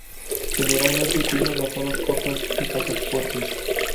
Generalmente tienen las alas cortas y patas fuertes.